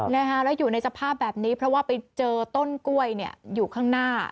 แล้วอยู่ในสภาพแบบนี้เพราะว่าไปเจอต้นกล้วยเนี่ยอยู่ข้างหน้า